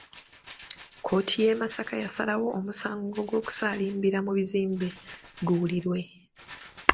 Kkooti y’e Masaka yasalawo omusango gw’okusaalimbira mu bizimbe guwulirwe